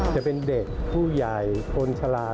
จะเป็นเด็กผู้ยายคนชาลา